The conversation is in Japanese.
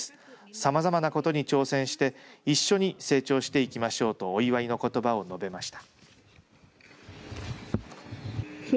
さまざまなことに挑戦して一緒に成長していきましょうとお祝いのことばを述べました。